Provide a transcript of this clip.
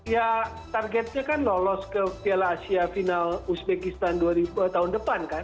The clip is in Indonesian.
ya targetnya kan lolos ke piala asia final uzbekistan tahun depan kan